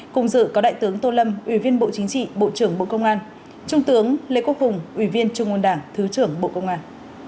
cùng dự có đại tướng tô lâm ủy viên bộ chính trị bộ trưởng bộ công an trung tướng lê quốc hùng ủy viên trung ương đảng thứ trưởng bộ công an